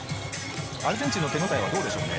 アルゼンチンの手応えはどうでしょうね。